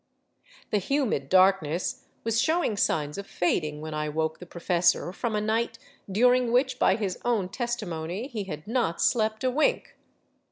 The humid darkness was showing signs of fading when I woke the professor from a night during which, by his own testimony, he had not slept a wink.